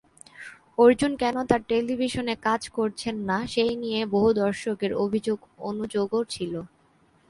অর্জুন কেন আর টেলিভিশনে কাজ করছেন না, সেই নিয়ে বহু দর্শকের অভিযোগ-অনুযোগও ছিল।